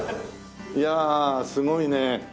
いやあすごいね。